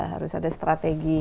harus ada strategi